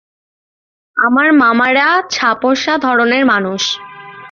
আমার মামারা ছাপোষা ধরনের মানুষ।